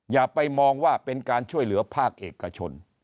อย่าไปมองว่าเป็นการช่วยเหลือภาคเอกชน